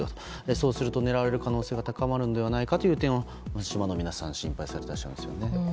そうすると狙われる可能性が高まるのではないかと島の皆さん、心配されていらっしゃいますよね。